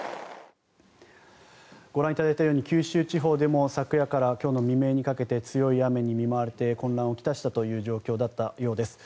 ご覧いただいたように九州地方でも昨夜から今日の未明にかけて強い雨に見舞われて混乱を来したという状況だったようです。